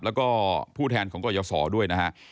แล้วก็ผู้แทนของกรยศด้วยนะฮะ